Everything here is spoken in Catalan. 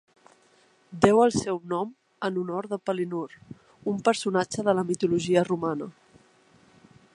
Deu el seu nom en honor de Palinur, un personatge de la mitologia romana.